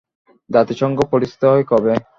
জাতিসংঘ প্রতিষ্ঠিত হয় কবে?